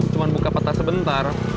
cuma buka peta sebentar